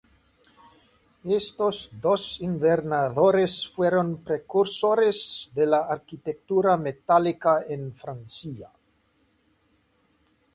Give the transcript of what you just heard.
Estos dos invernaderos fueron precursores de la arquitectura metálica en Francia.